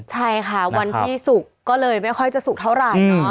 ใช่ค่ะวันที่ศุกร์ก็เลยไม่ค่อยจะสุกเท่าไหร่